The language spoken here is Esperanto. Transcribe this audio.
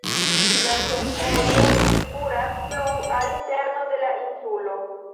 La ĉefvojo kuras plu al interno de la insulo.